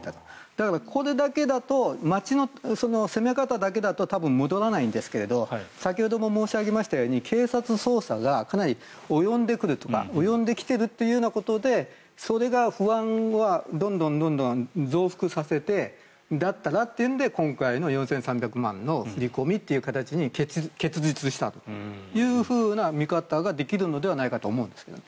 だから、これだけだと町の攻め方だけだと多分戻らないんですけど先ほども申し上げたように警察捜査がかなり及んでくるとか及んできているということでそれが不安をどんどん増幅させてだったらというので今回の４３００万円の振り込みという形に結実したというふうな見方ができるのではないかと思うんですが。